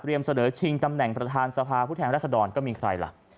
เสนอชิงตำแหน่งประธานสภาผู้แทนรัศดรก็มีใครล่ะ